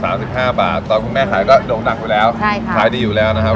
สิบห้าบาทตอนคุณแม่ขายก็โด่งดังไปแล้วใช่ค่ะขายดีอยู่แล้วนะครับ